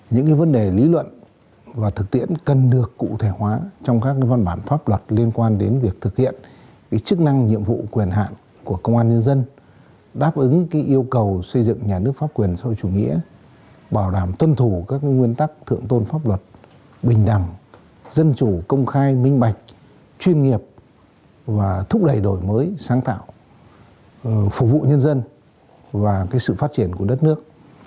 những vấn đề lý luận và thực tiễn cần được cụ thể hóa trong các văn bản pháp luật liên quan đến việc thực hiện chức năng nhiệm vụ quyền hạn của công an nhân dân đáp ứng yêu cầu xây dựng nhà nước pháp quyền sâu chủ nghĩa bảo đảm tuân thủ các nguyên tắc thượng tôn pháp luật bình đẳng dân chủ công khai minh bạch chuyên nghiệp và thúc đẩy đổi mới sáng tạo phục vụ nhân dân và sự phát triển của đất nước